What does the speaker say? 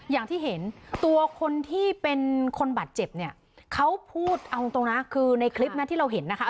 อย่างที่เห็นตัวคนที่เป็นคนบาดเจ็บเนี่ยเขาพูดเอาตรงนะคือในคลิปนะที่เราเห็นนะคะ